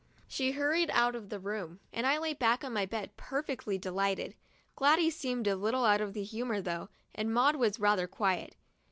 She hurried out of the room and I lay back on my bed, perfectly delighted. Gladys seemed a little out of humor though, and Maud was rather quiet.